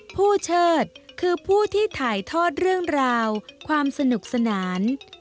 เชิดคือผู้ที่ถ่ายทอดเรื่องราวความสนุกสนาน